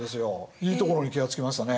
いいところに気が付きましたね。